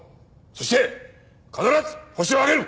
そして必ずホシを挙げる！